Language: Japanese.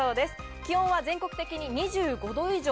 気温は全国的に２５度以上。